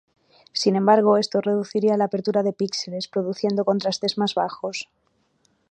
Sin embargo, esto reduciría la apertura de píxeles, produciendo contrastes más bajos.